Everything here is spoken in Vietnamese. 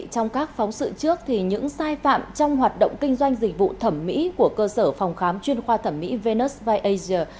trong các phóng sự trước những sai phạm trong hoạt động kinh doanh dịch vụ thẩm mỹ của cơ sở phòng khám chuyên khoa thẩm mỹ vnusvi asia